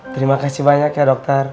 terima kasih banyak ya dokter